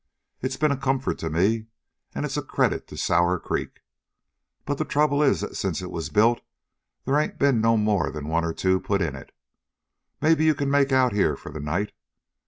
It's been a comfort to me, and it's a credit to Sour Creek. But the trouble is that since it was built they ain't been more'n one or two to put in it. Maybe you can make out here for the night.